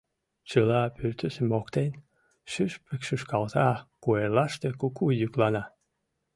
Чыла пӱртӱсым моктен, шӱшпык шӱшкалта, куэрлаште куку йӱклана.